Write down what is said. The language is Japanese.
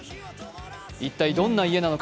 一体、どんな家なのか。